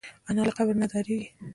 انا له قبر نه ډارېږي